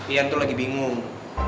ian tuh lagi bingung